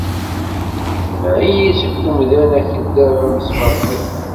Mneɛ-iyi seg wemdan akeddab, amesbaṭli!